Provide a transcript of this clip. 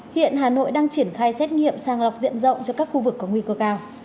hiện hà nội đang triển khai xét nghiệm sang lọc diện rộng cho các khu vực có nguy cơ cao